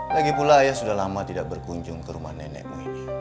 lagi pula ayah sudah lama tidak berkunjung ke rumah nenekmu ini